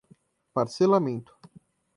parcelamento